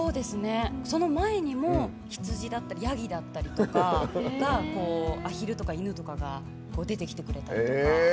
その前にも羊だったりヤギだったりとかアヒルとか犬とかが出てきてくれたりとか。